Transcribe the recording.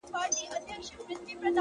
• په خوښۍ مستي یې ورځي تېرولې,